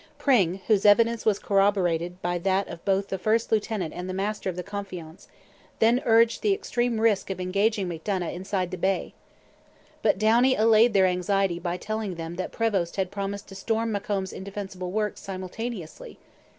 Pring, whose evidence was corroborated by that of both the first lieutenant and the master of the Confiance, then urged the extreme risk of engaging Macdonough inside the bay. But Downie allayed their anxiety by telling them that Prevost had promised to storm Macomb's indefensible works simultaneously.